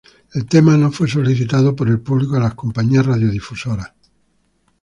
El tema no fue solicitado por el público a las compañías radiodifusoras.